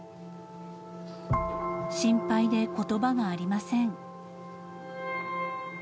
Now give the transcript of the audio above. ［心配で言葉がありません］